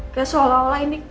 kayak seolah olah ini